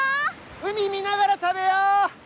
海見ながら食べよう！